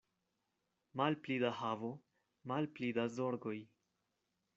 Malpli da havo, malpli da zorgoj.